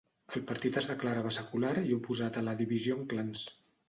El partit es declarava secular i oposat a la divisió en clans.